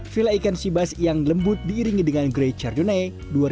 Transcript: fila ikan seabass yang lembut diiringi dengan grey chardonnay dua ribu enam belas